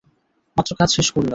মাত্র কাজ শেষ করলাম।